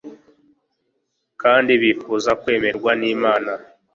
kandi bifuza kwemerwa n'Imana,